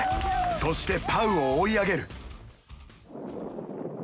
そしてパウを追い上げる。